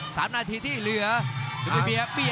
สามนาทีที่เหลือซุปเปอร์เบียร์